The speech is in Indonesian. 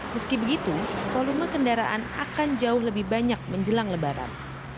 meski begitu volume kendaraan akan jauh lebih banyak menjelang lebaran